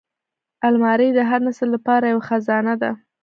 الماري د هر نسل لپاره یوه خزانه ده